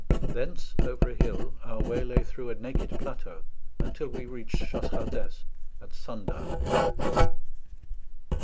Thence, over a hill, our way lay through a naked plateau, until we reached Chasseradès at sundown.